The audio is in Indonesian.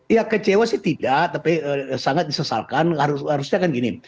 ya kecewa sih tidak tapi sangat disesalkan